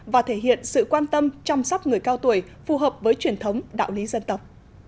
và thể hiện sự quan tâm chăm sóc người cao tuổi phù hợp với truyền thống đạo lý dân tộc